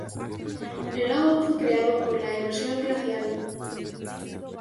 El lago fue creado por la erosión glacial.